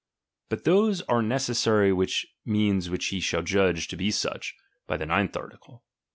But those are the necessary means which he shall judge to be such, by the ninth article.